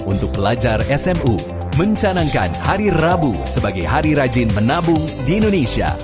untuk pelajar smu mencanangkan hari rabu sebagai hari rajin menabung di indonesia